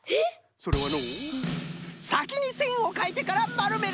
それはのうさきにせんをかいてからまるめる！